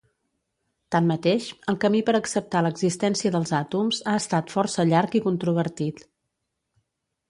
Tanmateix, el camí per acceptar l'existència dels àtoms ha estat força llarg i controvertit.